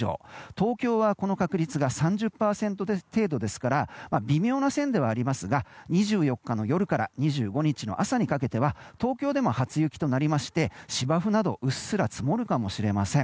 東京は、この確率が３０％程度ですから微妙な線ではありますが２４日の夜から２５日の朝にかけては東京でも初雪となりまして芝生などうっすら積もるかもしれません。